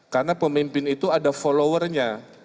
karena pemimpin itu ada followernya